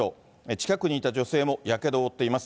近くにいた女性もやけどを負っています。